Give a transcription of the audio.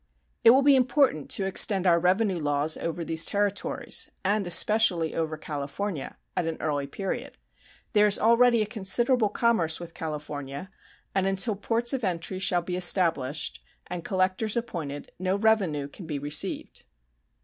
It will be important to extend our revenue laws over these territories, and especially over California, at an early period. There is already a considerable commerce with California, and until ports of entry shall be established and collectors appointed no revenue can be received.